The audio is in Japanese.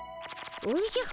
おじゃ？